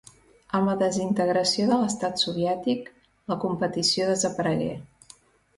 Amb la desintegració de l'estat soviètic la competició desaparegué.